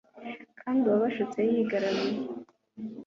kandi uwabashutse yigaramiye